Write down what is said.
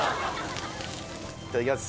いただきます